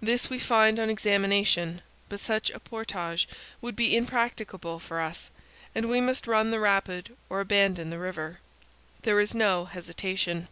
This we find on examination; but such a portage would be impracticable for us, and we must run the rapid or abandon the river. There is no hesitation.